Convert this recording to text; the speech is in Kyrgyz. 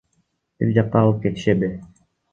Бир жакка алып кетишеби?